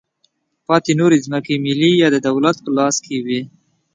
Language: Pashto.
پاتې نورې ځمکې ملي یا د دولت په لاس کې وې.